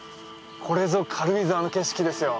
これぞ軽井沢の景色ですよ